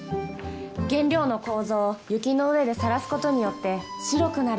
原料の楮を雪の上でさらすことによって白くなるんだって。